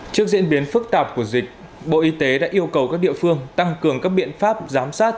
trước diễn biến phức tạp của dịch bộ y tế đã yêu cầu các địa phương tăng cường các biện pháp giám sát